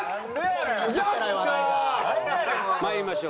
まいりましょう。